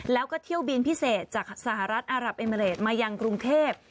แล้วก็เที่ยวบินพิเศษจากสหรัฐอารับเอเมริดมายังกรุงเทพ